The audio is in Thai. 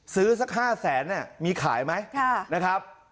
ซื้อสัก๕๐๐๐๐๐บาทมีขายไหมนะครับ